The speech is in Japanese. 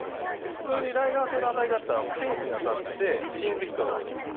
普通にライナー性の当たりだったらフェンスに当たってシングルヒットが多いんですよ。